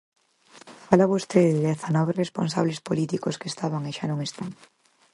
Fala vostede de dezanove responsables políticos que estaban e xa non están.